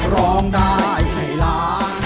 ร้องได้ให้ล้าน